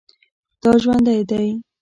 دا ژوندی دی